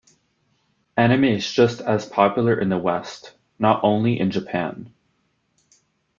Anime is just as popular in the west, not only in Japan.